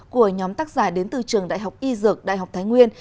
của nhóm tác giả đến từ trường đại học y dược đại học thái nguyên